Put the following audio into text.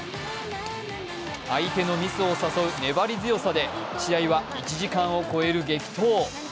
相手のミスを誘う粘り強さで試合は１時間を超える激闘。